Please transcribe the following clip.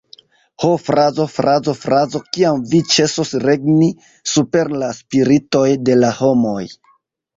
Ho, frazo, frazo, frazo, kiam vi ĉesos regni super la spiritoj de la homoj!